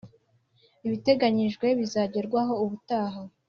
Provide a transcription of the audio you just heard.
Ibiteganyijwe bizagerwaho ubutaha